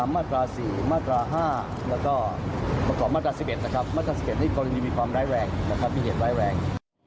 มาตรา๑๑ที่กรณีมีความร้ายแรงนะครับมีเหตุร้ายแรง